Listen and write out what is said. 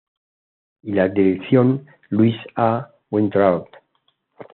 Y la dirección: Luis A. Weintraub.